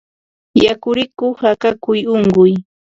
Yakurikuq akakuy unquy